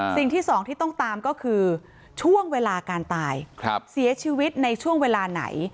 สิ่งที่สองที่ต้องตามก็คือช่วงเวลาการตายเสียชีวิตในช่วงเวลาไหน